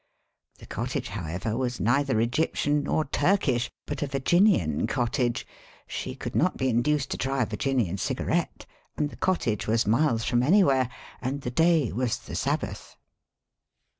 The cottage, however, was neither Egyptian nor Turkish, but a Virginian cottage. She could not be induced to try a Vir ginian cigarette, and the cottage was miles from anywhere, and the day was the Sabbath.